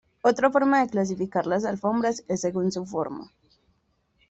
Otra forma de clasificar las alfombras es según su forma.